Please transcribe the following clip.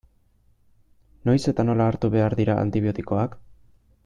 Noiz eta nola hartu behar dira antibiotikoak?